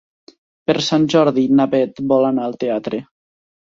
Per Sant Jordi na Bet vol anar al teatre.